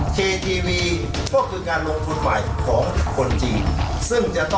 จิงนะครับ